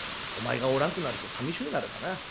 お前がおらんくなるとさみしゅうなるがな。